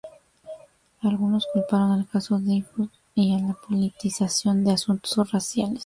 Algunos culparon al caso Dreyfus y a la politización de asuntos raciales.